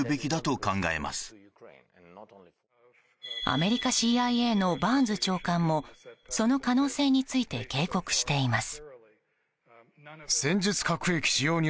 アメリカＣＩＡのバーンズ長官もその可能性について警告しています。